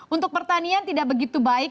untuk pertanian tidak begitu baik